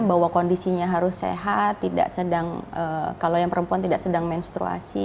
bahwa kondisinya harus sehat tidak sedang kalau yang perempuan tidak sedang menstruasi